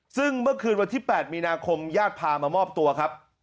ซึ่งเมื่อคืนวันที่๘มีนาคมญาติพามามอบตัวครับ